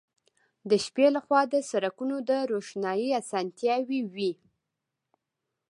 د شپې له خوا د سړکونو د روښنايي اسانتیاوې وې